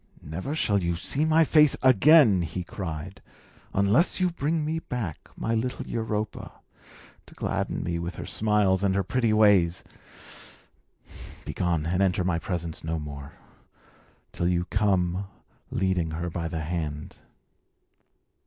"Never shall you see my face again," he cried, "unless you bring me back my little Europa, to gladden me with her smiles and her pretty ways. Begone, and enter my presence no more, till you come leading her by the hand."